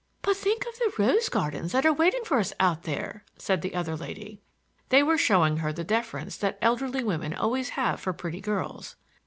"But think of the rose gardens that are waiting for us out there!" said the other lady. They were showing her the deference that elderly women always have for pretty girls.